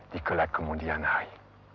di kolak kemudian hari